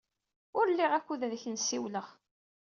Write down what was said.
Ur liɣ akud ad ak-nn-siwleɣ.